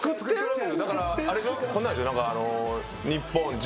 こんなんでしょ。